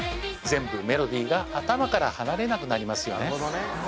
全部メロディが頭から離れなくなりますよね